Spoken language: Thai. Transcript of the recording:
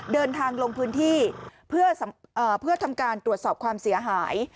เดินทางลงพื้นที่เพื่อทำการตรวจสอบความเสียหาย